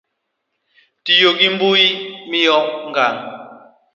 Tiyo gi mbui, miyo ng